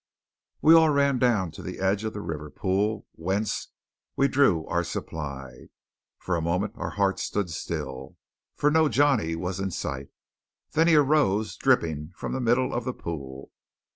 We all ran down to the edge of the river pool whence we drew our supply. For a moment our hearts stood still, for no Johnny was in sight. Then he arose dripping from the middle of the pool.